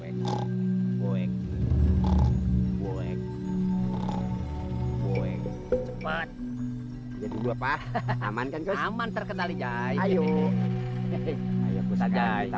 wek wek wek wek cepat jadi gua pak aman aman terkenal aja ayo